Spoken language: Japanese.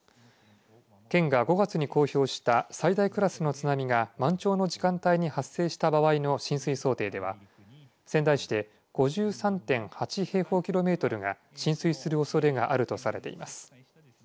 県が５月に公表した最大クラスの津波が満潮の時間帯に発生した場合の浸水想定では仙台市で５３．８平方キロメートルが浸水するおそれがあるとされています。